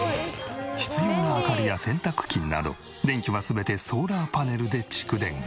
必要な明かりや洗濯機など電気は全てソーラーパネルで蓄電。